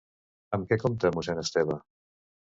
Amb què compta mossèn Esteve?